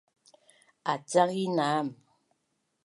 Acang inam